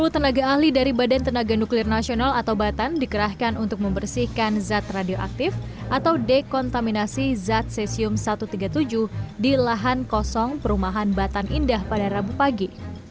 sepuluh tenaga ahli dari badan tenaga nuklir nasional atau batan dikerahkan untuk membersihkan zat radioaktif atau dekontaminasi zat cesium satu ratus tiga puluh tujuh di lahan kosong perumahan batan indah pada rabu pagi